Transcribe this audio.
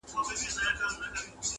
په دې خپل حلال معاش مي صبر کړی,